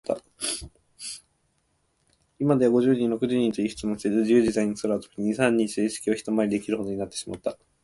いまでは、五十人、六十人という人をのせて、じゆうじざいに空を飛び、二、三日で地球をひとまわりできるほどになってしまった。